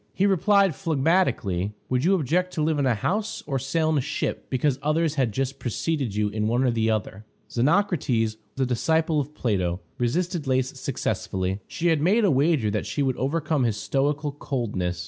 He replied phlegmatically, "Would you object to live in a house or sail in a ship because others had just preceded you in the one or the other?" Xenocrates, the disciple of Plato, resisted Lais successfully. She had made a wager that she would overcome his stoical coldness.